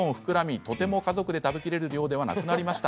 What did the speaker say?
とてもとても、家族で食べきれる量ではなくなりました。